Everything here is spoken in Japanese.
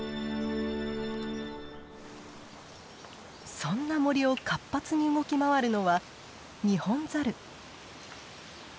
そんな森を活発に動き回るのはニホンザル。